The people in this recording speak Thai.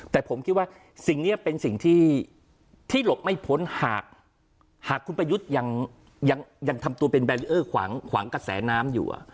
แต่ผมคิดว่าสิ่งนี้เป็นสิ่งที่หลบไม่พ้นหากคุณประยุทธ์ยังทำตัวเป็นแบรีเออร์ขวางกระแสน้ำอยู่